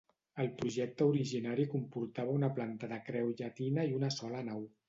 El projecte originari comportava una planta de creu llatina i una sola nau.